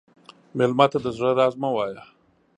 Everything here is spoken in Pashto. مېلمه ته د زړه راز مه وایه.